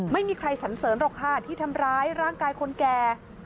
ไม่มีใครสันเสริญหรอกค่ะที่ทำร้ายร่างกายคนแก่